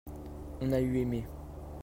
on a eu aimé.